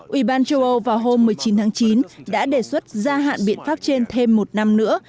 ủy ban châu âu vào hôm một mươi chín tháng chín đã đề xuất gia hạn biện pháp trên thêm một năm nữa